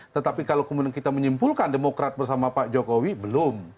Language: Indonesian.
tetapi kalau kemudian kita menyimpulkan demokrat bersama pak jokowi belum